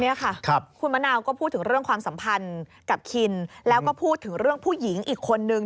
เนี่ยค่ะคุณมะนาวก็พูดถึงเรื่องความสัมพันธ์กับคินแล้วก็พูดถึงเรื่องผู้หญิงอีกคนนึง